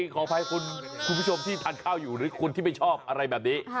ขออภัยคุณผู้ชมที่ทานข้าวอยู่หรือคนที่ไม่ชอบอะไรแบบนี้